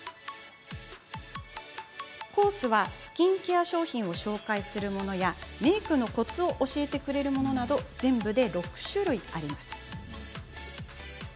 コースはスキンケア商品を紹介するものやメークのコツを教えてくれるものなど全部で６種類。